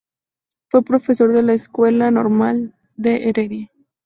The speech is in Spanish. Fue profesor de la Escuela Normal de Heredia.